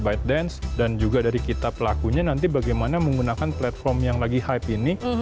byted dance dan juga dari kita pelakunya nanti bagaimana menggunakan platform yang lagi hype ini